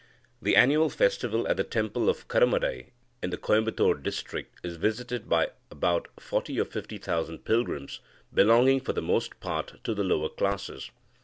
The annual festival at the temple of Karamadai in the Coimbatore district is visited by about forty or fifty thousand pilgrims, belonging for the most part to the lower classes.